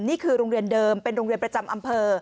นี่คือโรงเรียนเดิมเป็นโรงเรียนประจำอำเภอ